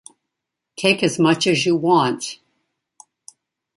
Take as much as you want.